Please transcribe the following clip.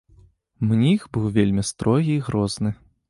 Мніх быў вельмі строгі і грозны.